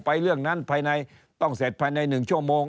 ไปเรื่องนั้นต้องเสร็จภายใน๑ชั่วโมง